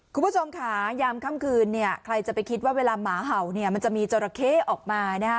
คุณผู้ชมค่ะยามค่ำคืนเนี่ยใครจะไปคิดว่าเวลาหมาเห่าเนี่ยมันจะมีจราเข้ออกมานะฮะ